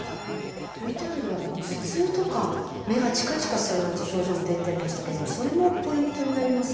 ＶＴＲでは頭痛とか目がチカチカするなんていう症状も出てましたけどもそれもポイントになりますか？